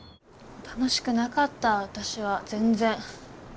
楽しくなかった私は全然。